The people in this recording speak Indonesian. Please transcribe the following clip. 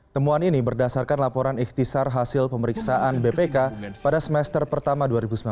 temuan ini berdasarkan laporan ikhtisar hasil pemeriksaan bpk pada semester pertama dua ribu sembilan belas